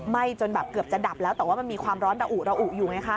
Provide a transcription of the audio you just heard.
จนแบบเกือบจะดับแล้วแต่ว่ามันมีความร้อนระอุระอุอยู่ไงคะ